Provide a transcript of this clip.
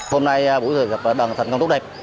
hôm nay buổi gặp đoàn thành công tốt đẹp